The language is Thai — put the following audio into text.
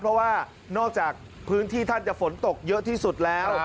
เพราะว่านอกจากพื้นที่ท่านจะฝนตกเยอะที่สุดแล้ว